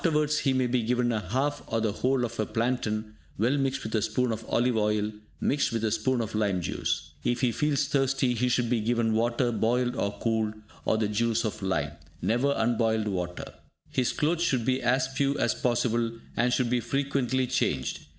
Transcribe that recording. Afterwards, he may be given a half or the whole of a plantain, well mixed with a spoon of olive oil, mixed with a spoon of lime juice. If he feels thirsty, he should be given water boiled and cooled, or the juice of lime, never unboiled water. His clothes should be as few as possible, and should be frequently changed.